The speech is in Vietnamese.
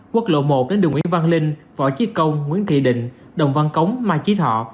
quốc lộ một đến đường nguyễn văn linh võ chí công nguyễn kỳ định đồng văn cống mai chí thọ